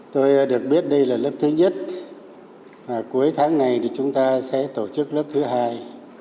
tôi được biết đây là lớp thứ nhất cuối tháng này thì chúng ta sẽ tổ chức lớp thứ hai